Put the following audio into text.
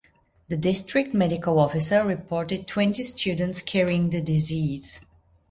The district medical officer reported twenty students carrying the disease.